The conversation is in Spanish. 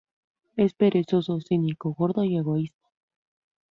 Es perezoso, cínico, gordo y egoísta.